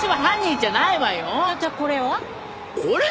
じゃあこれは？